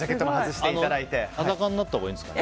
裸になったほうがいいんですか。